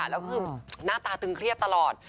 แล้วคือหน้าตาตึงเครียดตลอด